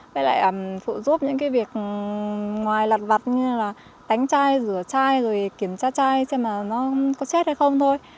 với lại phụ giúp những cái việc ngoài lặt vặt như là cánh chai rửa chai rồi kiểm tra chai xem là nó có chết hay không thôi